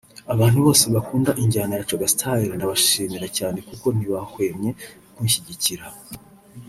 abantu bose bakunda injyana ya Coga Style ndabashimira cyane kuko ntibahwemye kunshyigikira